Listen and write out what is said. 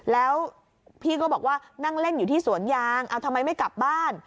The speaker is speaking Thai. แล้วพี่ก็บอกว่านั่งเล่นอยู่ที่สวนยางเอาทำไมไม่กลับบ้าน